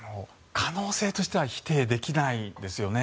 可能性としては否定できないんですよね。